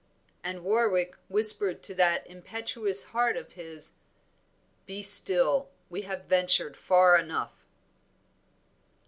and Warwick whispered to that impetuous heart of his, "Be still, we have ventured far enough."